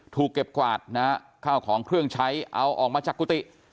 ถูกเก็บกวาดนะฮะข้าวของเครื่องใช้เอาออกมาจากกุฏิ